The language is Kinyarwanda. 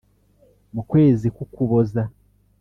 mu kwezi k Ukuboza